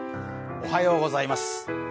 おはようございます。